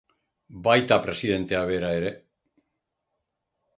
Baita presidentea bera ere.